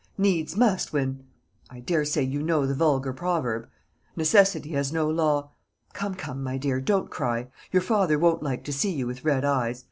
'Needs must when' I daresay you know the vulgar proverb. Necessity has no law. Come, come, my dear, don't cry; your father won't like to see you with red eyes.